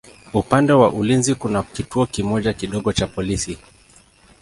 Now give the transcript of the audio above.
Upande wa ulinzi kuna kituo kimoja kidogo cha polisi.